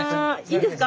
いいんですか